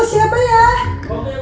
kok punya bayar pay later sama pinjol kak